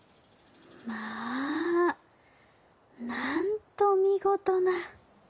まぁなんと見事な。